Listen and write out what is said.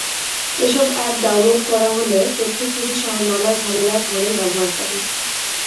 এসব app download করা হলে তথ্য চুরিসহ নানা ঝামেলায় পড়েন ব্যবহারকারী।